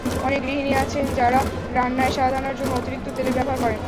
অনেক গৃহিণী আছেন যঁারা রান্নায় স্বাদ আনার জন্য অতিরিক্ত তেলের ব্যবহার করেন।